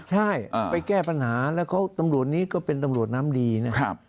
ใช่ไปแก้ปัญหาแล้วตำรวจนี้ก็เป็นตำรวจน้ำดีนะครับ